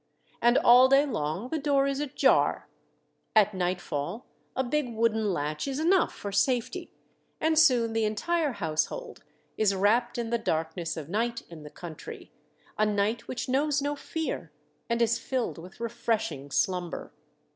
And all day long the door is ajar ; at night fall a big wooden latch is enough for safety, and soon the entire household is wrapped in the dark ness of night in the country, a night which knows no fear, and is filled with refreshing slumber.